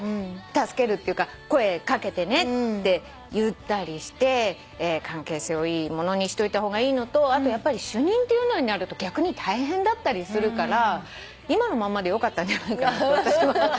助けるっていうか声掛けてねって言ったりして関係性をいいものにしといた方がいいのとあとやっぱり主任っていうのになると逆に大変だったりするから今のまんまでよかったんじゃないかなと。